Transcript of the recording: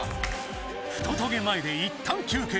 ふとトゲ前でいったん休けい。